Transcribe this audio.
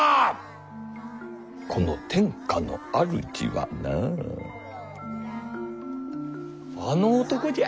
この天下の主はなあの男じゃ。